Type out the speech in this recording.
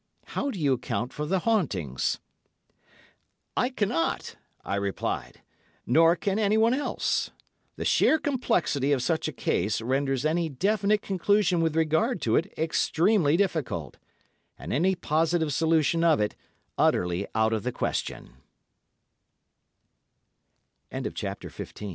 How do you account for the hauntings?" "I cannot," I replied, "nor can anyone else. The sheer complexity of such a case renders any definite conclusion with regard to it extremely difficult, and any positive solution of i